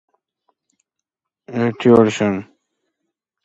მაგრამ აჯანყებულმა ჯარისკაცებმა იმავე წელს მოკლეს.